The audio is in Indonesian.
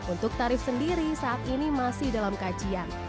untuk tarif sendiri saat ini masih dalam kajian